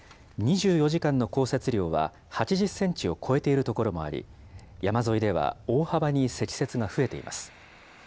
２４時間の降雪量は８０センチを超えている所もあり、山沿いでは大幅に積雪が増えています。